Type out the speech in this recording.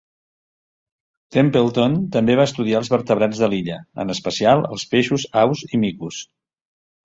Templeton també va estudiar els vertebrats de l'illa, en especial els peixos, aus i micos.